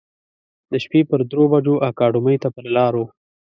د شپې پر درو بجو اکاډمۍ ته پر لار و.